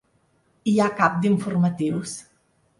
Hi ha cap d’informatius.